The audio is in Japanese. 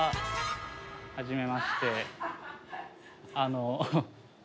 初めまして。